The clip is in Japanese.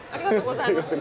すいません。